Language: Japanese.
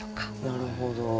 なるほど。